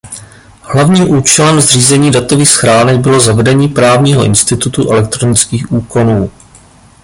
Hlavním účelem zřízení datových schránek bylo zavedení právního institutu elektronických úkonů.